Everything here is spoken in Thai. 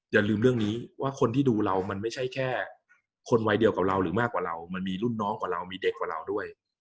อย่าลืมเรื่องนี้ว่าคนที่ดูเรามันไม่ใช่แค่คนวัยเดียวกับเราหรือมากกว่าเรามันมีรุ่นน้องกว่าเรามีเด็กกว่าเราด้วย